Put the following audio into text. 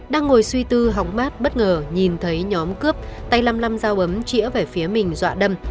đang ngồi suy tư hóng mắt bất ngờ nhìn thấy nhóm cướp tay lăm lăm dao bấm chia về phía mình dọa đâm